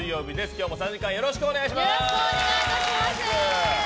今日も３時間よろしくお願いします。